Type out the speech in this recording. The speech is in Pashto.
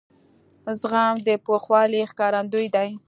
زغم د پوخوالي ښکارندوی دی.